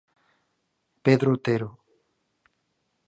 Pedro Otero.